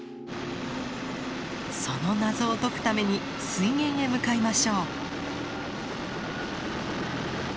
その謎を解くために水源へ向かいましょう。